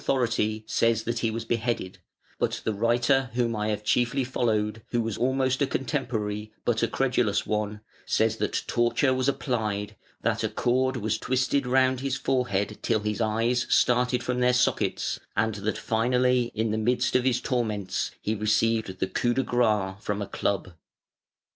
One pretty good contemporary authority says that he was beheaded, but the writer whom I have chiefly followed, who was almost a contemporary, but a credulous one, says that torture was applied, that a cord was twisted round his forehead till his eyes started from their sockets, and that finally in the midst of his torments he received the coup de grâce from a club.